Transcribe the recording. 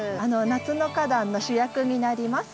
夏の花壇の主役になります。